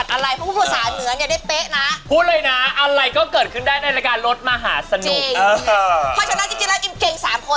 ถ้าพร้อมแล้วเตรียมตัว